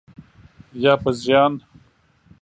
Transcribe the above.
یا په زیان؟